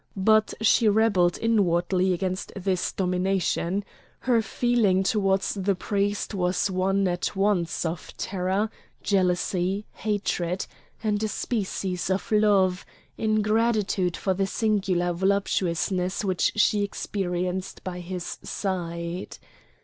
But she rebelled inwardly against this domination; her feeling towards the priest was one at once of terror, jealousy, hatred, and a species of love, in gratitude for the singular voluptuousness which she experienced by his side.